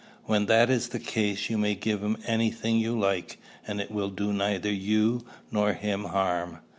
When that is the case, you may give him any thing you like, and it will do neither you nor him harm.